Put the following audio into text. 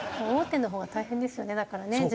大手のほうは大変ですよねだからね。